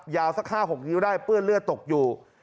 สัก๕๖นิ้วได้เปื้อนเลือดตกอยู่